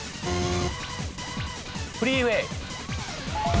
フリーウェー。